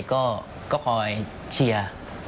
ก็คอยเชียร์